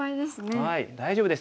大丈夫です